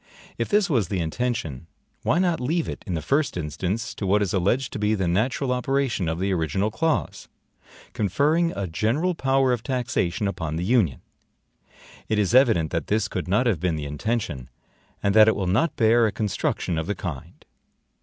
If this was the intention, why not leave it, in the first instance, to what is alleged to be the natural operation of the original clause, conferring a general power of taxation upon the Union? It is evident that this could not have been the intention, and that it will not bear a construction of the kind.